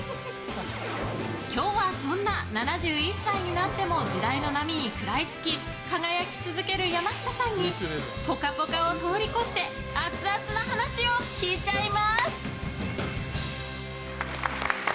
今日は、そんな７１歳になっても時代の波に食らいつき輝き続ける山下さんにぽかぽかを通り越してアツアツな話を聞いちゃいます！